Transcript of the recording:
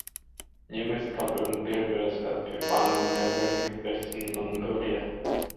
Numerous comparable burials have been found in neighboring western Mongolia.